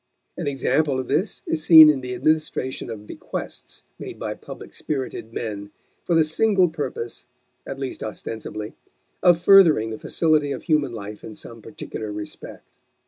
An example of this is seen in the administration of bequests made by public spirited men for the single purpose (at least ostensibly) of furthering the facility of human life in some particular respect.